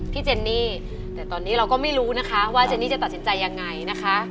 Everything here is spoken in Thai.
เจนนี่แต่ตอนนี้เราก็ไม่รู้นะคะว่าเจนนี่จะตัดสินใจยังไงนะคะ